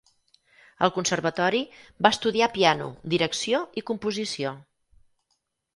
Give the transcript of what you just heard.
Al conservatori, va estudiar piano, direcció i composició.